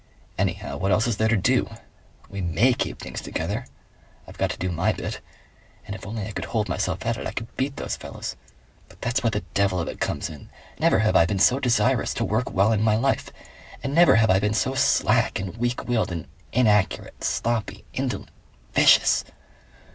"Anyhow, what else is there to do? We MAY keep things together.... I've got to do my bit. And if only I could hold myself at it, I could beat those fellows. But that's where the devil of it comes in. Never have I been so desirous to work well in my life. And never have I been so slack and weak willed and inaccurate.... Sloppy.... Indolent.... VICIOUS!..."